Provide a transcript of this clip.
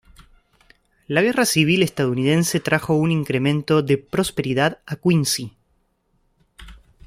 La Guerra Civil Estadounidense trajo un incremento de prosperidad a Quincy.